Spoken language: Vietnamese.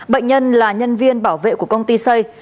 bệnh nhân là nhân viên bảo vệ của công ty xây